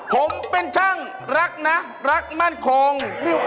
ผมเป็นช่างรักนะรักมั่นคง